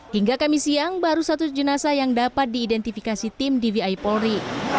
hingga kami siang baru satu jenazah yang dapat diidentifikasi tim dvi polri